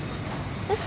えっ？